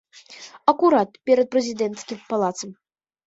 Акурат перад прэзідэнцкім палацам.